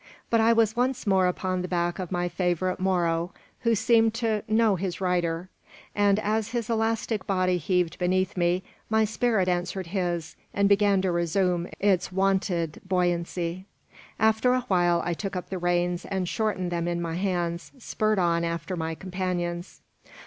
But I was once more upon the back of my favourite Moro, who seemed to "know his rider"; and as his elastic body heaved beneath me, my spirit answered his, and began to resume its wonted buoyancy. After a while I took up the reins, and shortening them in my hands, spurred on after my companions.